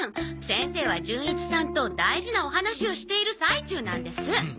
先生は純一さんと大事なお話をしている最中なんです。